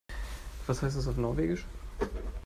Was heißt das auf Norwegisch?